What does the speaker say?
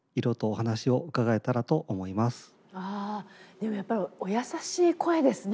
でもやっぱりお優しい声ですね。